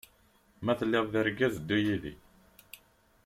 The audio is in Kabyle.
Ma teliḍ d-argaz ddu yidi.